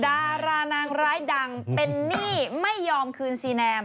ดารานางร้ายดังเป็นหนี้ไม่ยอมคืนซีแนม